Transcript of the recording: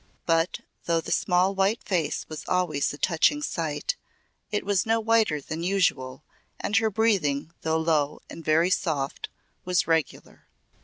But, though the small white face was always a touching sight, it was no whiter than usual and her breathing though low and very soft was regular.